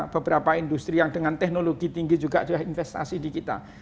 beberapa industri yang dengan teknologi tinggi juga investasi di kita